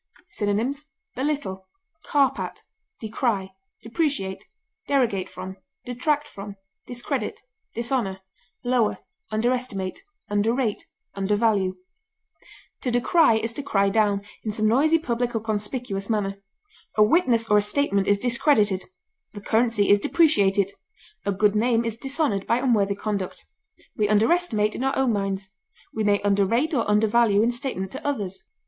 Synonyms: belittle, depreciate, discredit, underestimate, carp at, derogate from, dishonor, underrate, decry, detract from, lower, undervalue. To decry is to cry down, in some noisy, public, or conspicuous manner. A witness or a statement is discredited; the currency is depreciated; a good name is dishonored by unworthy conduct; we underestimate in our own minds; we may underrate or undervalue in statement to others.